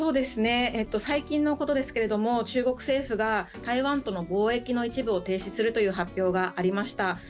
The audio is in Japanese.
最近のことですけれども中国政府が台湾との貿易の一部を停止するという発表がありました。